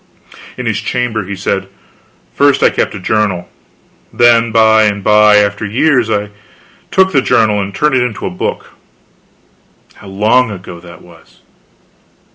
In his chamber, he said: "First, I kept a journal; then by and by, after years, I took the journal and turned it into a book. How long ago that was!"